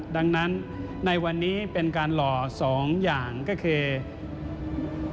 ดังนั้นในวันนี้เป็นการหล่อสองอย่างก็คือ